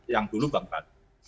yang dulu bank ratu